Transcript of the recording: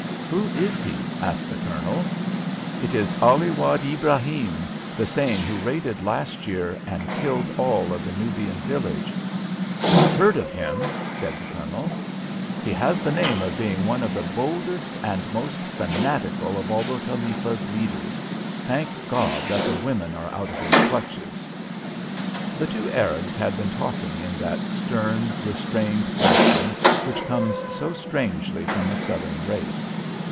"Who is he?" asked the Colonel. "It is Ali Wad Ibrahim, the same who raided last year, and killed all of the Nubian village." "I've heard of him," said the Colonel. "He has the name of being one of the boldest and the most fanatical of all the Khalifa's leaders. Thank God that the women are out of his clutches." The two Arabs had been talking in that stern, restrained fashion which comes so strangely from a southern race.